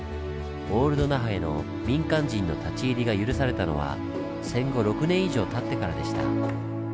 オールド那覇への民間人の立ち入りが許されたのは戦後６年以上たってからでした。